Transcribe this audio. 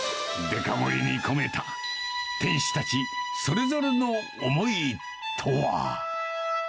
デカ盛りに込めた店主たちそれぞれの思いとは。